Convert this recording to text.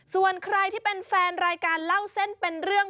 ส่วนใครที่เป็นแฟนรายการเล่าเส้นเป็นเรื่อง